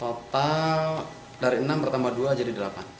total dari enam bertambah dua jadi delapan